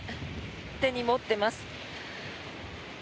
手に持っています。